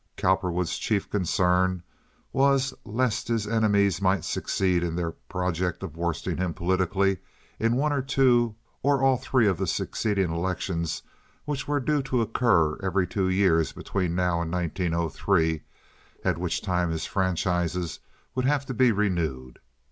Cowperwood's chief concern was lest his enemies might succeed in their project of worsting him politically in one or all three of the succeeding elections which were due to occur every two years between now and 1903, at which time his franchises would have to be renewed.